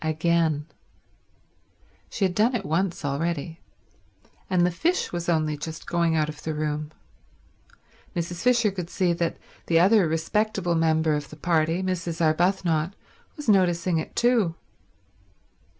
Again. She had done it once already, and the fish was only just going out of the room. Mrs. Fisher could see that the other respectable member of the party, Mrs. Arbuthnot, was noticing it too.